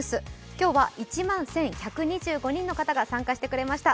今日は１万１１２５人の方が参加してくれました。